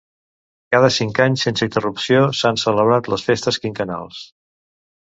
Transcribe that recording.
Cada cinc anys sense interrupció, s'han celebrat les festes quinquennals.